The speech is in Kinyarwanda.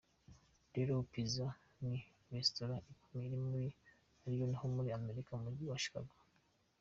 Drew's Pizza, ni Resitora ikomeye muri Illinois ho muri Amerika mu mujyi wa Chicago.